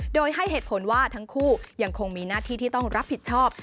โดยให้เหตุผลว่าทั้งคู่ยังคงมีหน้าที่ที่ต้องรับผิดชอบ